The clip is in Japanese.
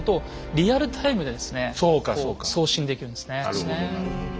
なるほどなるほど。